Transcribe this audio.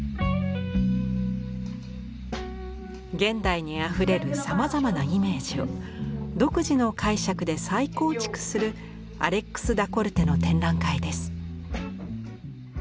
現代にあふれるさまざまなイメージを独自の解釈で再構築するアレックス・ダ・コルテの展覧会です。